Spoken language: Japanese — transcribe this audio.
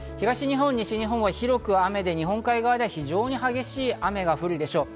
東日本、西日本は広く雨で日本海側では非常に激しい雨が降るでしょう。